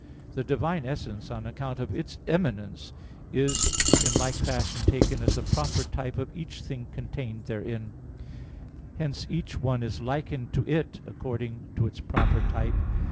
The Divine essence, on account of Its eminence, is in like fashion taken as the proper type of each thing contained therein: hence each one is likened to It according to its proper type.